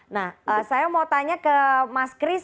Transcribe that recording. nah saya mau tanya ke mas kris